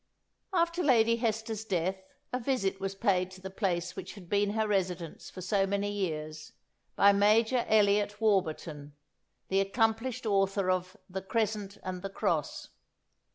" After Lady Hester's death, a visit was paid to the place which had been her residence for so many years, by Major Eliot Warburton, the accomplished author of "The Crescent and the Cross."